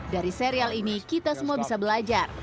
dari serial ini kita semua bisa belajar